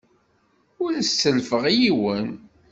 Ur as-sellfeɣ i yiwen.